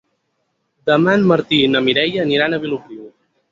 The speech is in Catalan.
Demà en Martí i na Mireia aniran a Vilopriu.